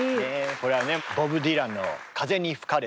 これはねボブ・ディランの「風に吹かれて」。